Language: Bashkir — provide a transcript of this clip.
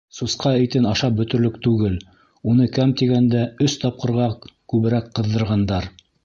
Сусҡа итен ашап бөтөрлөк түгел, уны, кәм тигәндә, өс тапҡырға күберәк ҡыҙҙырғандар.